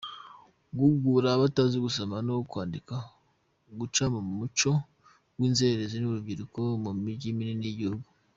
Guhugura abatazi gusoma no kwandika, guca umuco w’inzererezi murubyiruko mumigi minini y’igihugu